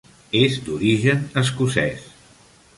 És d'origen escocès.